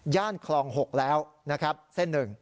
ย่านคลอง๖แล้วเส้น๑